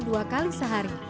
dua kali sehari